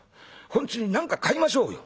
ほんつに何か買いましょうよ。